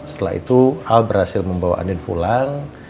setelah itu al berhasil membawa anin pulang